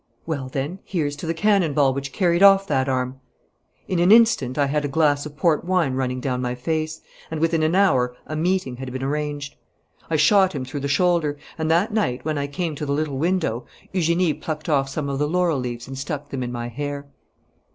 'Well, then, here's to the cannon ball which carried off that arm!' In an instant I had a glass of port wine running down my face, and within an hour a meeting had been arranged. I shot him through the shoulder, and that night, when I came to the little window, Eugenie plucked off some of the laurel leaves and stuck them in my hair.